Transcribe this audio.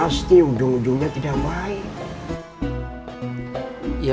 sesuatu yang sifatnya terpaksa